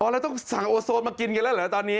แล้วต้องสั่งโอโซนมากินกันแล้วเหรอตอนนี้